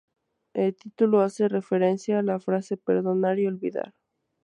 El título hace referencia a la frase "perdonar y olvidar".